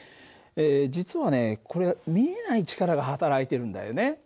実はねこれ見えない力が働いてるんだよね。